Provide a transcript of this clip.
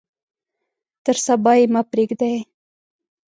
تر صبا یې مه پریږدئ.